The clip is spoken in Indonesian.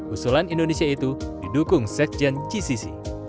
usulan indonesia itu didukung sekjen gcc